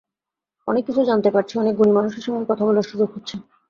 অনেক কিছু জানতে পারছি, অনেক গুণী মানুষের সঙ্গে কথা বলার সুযোগ হচ্ছে।